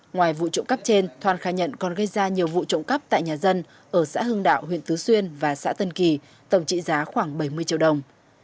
ngoài vụ trộm cắp trên thoan khai nhận còn gây ra nhiều vụ trộm cắp tại nhà dân ở xã hưng đạo huyện tứ xuyên và xã tân kỳ tổng trị giá khoảng bảy mươi triệu đồng